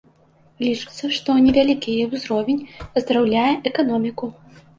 Лічыцца, што невялікі яе ўзровень аздараўляе эканоміку.